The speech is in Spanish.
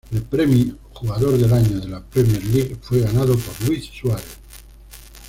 El premio Jugador del Año de la Premier League fue ganado por Luis Suárez.